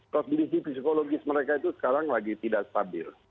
kondisi psikologis mereka itu sekarang lagi tidak stabil